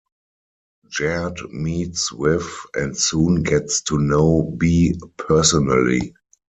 Jared meets with and soon gets to know B personally.